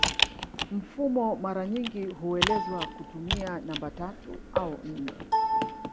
Mfumo mara nyingi huelezewa kutumia namba tatu au nne